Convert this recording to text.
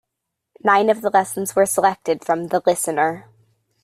Nine of the lessons were selected from The Listener.